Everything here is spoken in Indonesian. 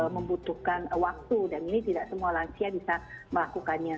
membutuhkan waktu dan ini tidak semua lansia bisa melakukannya